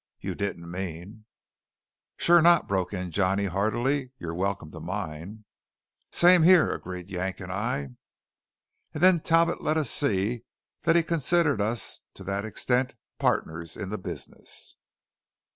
You didn't mean " "Sure not!" broke in Johnny heartily. "You're welcome to mine." "Same here," agreed Yank and I. And then Talbot let us see that he considered us to that extent partners in the business.